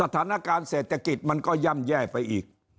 สถานการณ์เศรษฐกิจมันก็ย่ำแย่ไปอีก